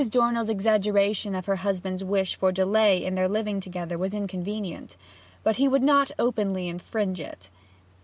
Dornell's exaggeration of her husband's wish for delay in their living together was inconvenient, but he would not openly infringe it.